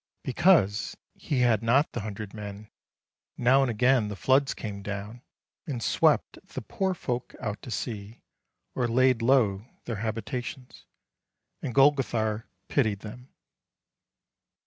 Because he had not the hundred men, now and again the floods came down, and swept the poor folk out to sea, or laid low their habitations. And Golgothar pitied them.